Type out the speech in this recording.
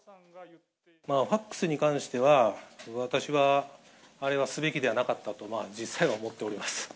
ファックスに関しては、私はあれはすべきではなかったと、実際は思っております。